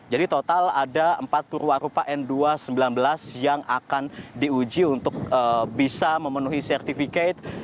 jadi total ada empat perwarupa n dua ratus sembilan belas yang akan diuji untuk bisa memenuhi sertifikat